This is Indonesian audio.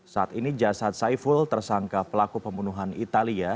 saat ini jasad saiful tersangka pelaku pembunuhan italia